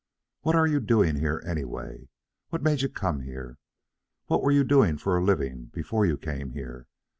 What are you doing here, anyway? What made you come here? What were you doing for a living before you came here?